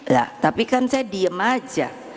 lah tapi kan saya diem aja